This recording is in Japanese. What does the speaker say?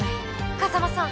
風真さん！